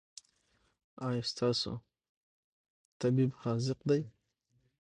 ایا ستاسو ډاکټر حاذق دی؟